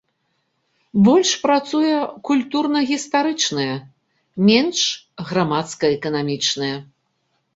Больш працуе культурна-гістарычная, менш грамадска-эканамічная.